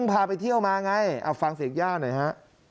พาไปเที่ยวมาไงเอาฟังเสียงย่าหน่อยฮะ